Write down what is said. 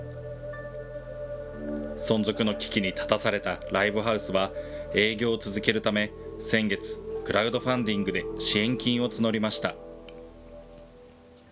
存続の危機に立たされたライブハウスは、営業を続けるため、先月、クラウドファンディングで支援金を募りました。